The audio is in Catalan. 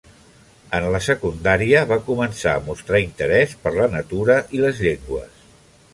En la secundària va començar a mostrar interès per la natura i les llengües.